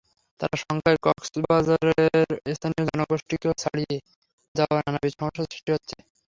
তারা সংখ্যায় কক্সবাজারের স্থানীয় জনগোষ্ঠীকেও ছাড়িয়ে যাওয়ায় নানাবিধ সমস্যার সৃষ্টি হচ্ছে।